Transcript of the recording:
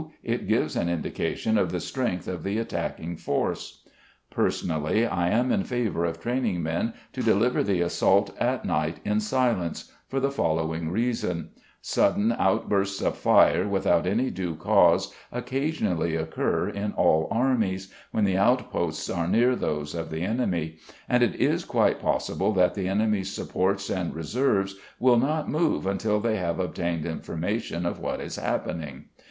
It gives an indication of the strength of the attacking force. Personally, I am in favour of training men to deliver the assault at night in silence, for the following reason: Sudden outbursts of fire without any due cause occasionally occur in all armies, when the outposts are near those of the enemy, and it is quite possible that the enemy's supports and reserves will not move until they have obtained information of what is happening.